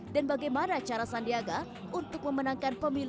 dan bagaimana cara sandiaga untuk memenangkan pemilu dua ribu dua puluh empat